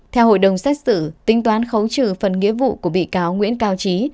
theo hội đồng xét xử tính toán khấu trừ phần nghĩa vụ của bị cáo nguyễn cao trí